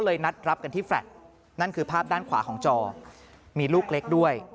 นัดรับกันที่แลตนั่นคือภาพด้านขวาของจอมีลูกเล็กด้วย